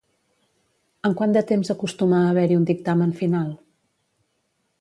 En quant de temps acostuma a haver-hi un dictamen final?